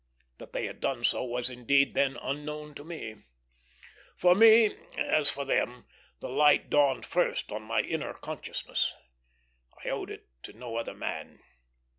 That they had done so was, indeed, then unknown to me. For me, as for them, the light dawned first on my inner consciousness; I owed it to no other man.